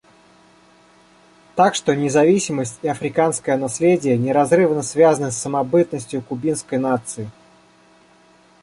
Так что независимость и африканское наследие неразрывно связаны с самобытностью кубинской нации.